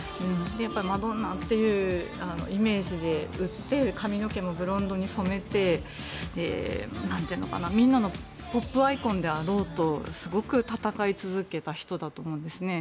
マドンナっていうイメージで売って髪の毛もブロンドに染めてみんなのポップアイコンであろうとすごく闘い続けた人だと思うんですね。